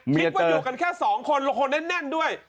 คิดว่าอยู่กันแค่สองคนละคนแน่นด้วย